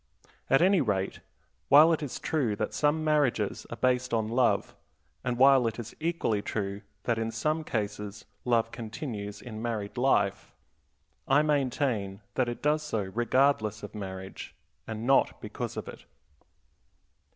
At any rate, while it is true that some marriages are based on love, and while it is equally true that in some cases love continues in married life, I maintain that it does so regardless of marriage, and not because of it.